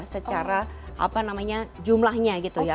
secara jumlahnya gitu ya